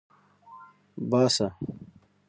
باسه